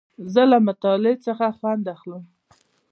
زه له مطالعې څخه خوند اخلم.